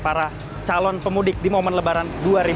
para calon pemudik di momen lebaran